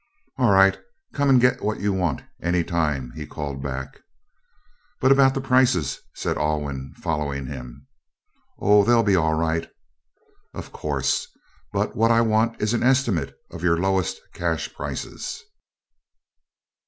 "All right. Come and get what you want any time," he called back. "But about the prices," said Alwyn, following him. "Oh, they'll be all right." "Of course. But what I want is an estimate of your lowest cash prices."